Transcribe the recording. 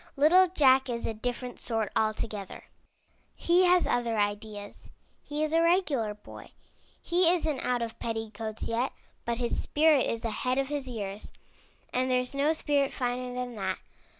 '' Little Jack is a different sort altogether. He has other ideas. He is a regular boy. He isn't out of petticoats yet, but his spirit is ahead of his years, and there's no spirit finer than that.